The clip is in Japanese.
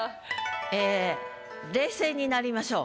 ええ冷静になりましょう。